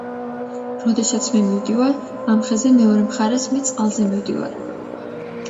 როდესაც მე მივდივარ ამ ხეზე მეორე მხარეს მე წყალზე მივდივარ